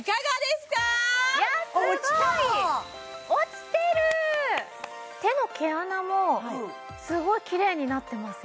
すごい落ちた落ちてる手の毛穴もすごいきれいになってません？